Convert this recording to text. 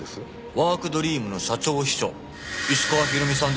ワークドリームの社長秘書石川宏美さんですよ。